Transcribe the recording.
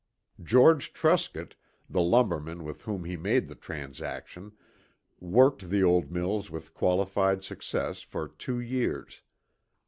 George Truscott, the lumberman with whom he made the transaction, worked the old mills with qualified success for two years.